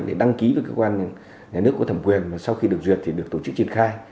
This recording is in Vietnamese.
để đăng ký với cơ quan nhà nước có thẩm quyền và sau khi được duyệt thì được tổ chức triển khai